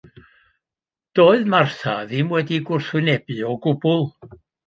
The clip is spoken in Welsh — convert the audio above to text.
Doedd Martha ddim wedi gwrthwynebu o gwbl.